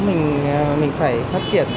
mình phải phát triển